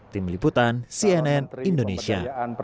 tim liputan cnn indonesia